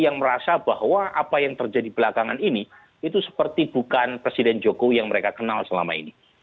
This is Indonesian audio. yang merasa bahwa apa yang terjadi belakangan ini itu seperti bukan presiden jokowi yang mereka kenal selama ini